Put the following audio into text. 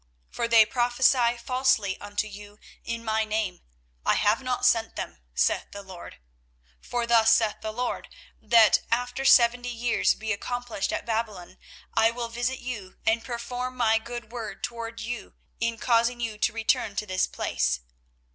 24:029:009 For they prophesy falsely unto you in my name: I have not sent them, saith the LORD. 24:029:010 For thus saith the LORD, That after seventy years be accomplished at Babylon I will visit you, and perform my good word toward you, in causing you to return to this place.